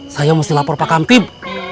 saya mesti lapor pak kamtip